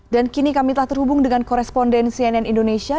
dan kini kami telah terhubung dengan koresponden cnn indonesia